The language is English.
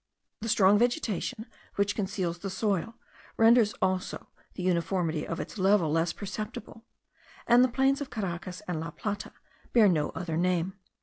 The strong vegetation which conceals the soil, renders also the uniformity of its level less perceptible; and the plains of Caracas and La Plata bear no other name.